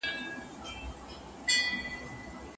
آیا مېوې تر خوږو شیانو ښې دي؟